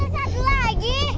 ada satu lagi